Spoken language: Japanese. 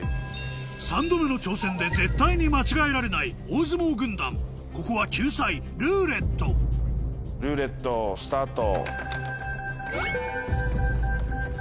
３度目の挑戦で絶対に間違えられない大相撲軍団ここは救済「ルーレット」ルーレットスタート。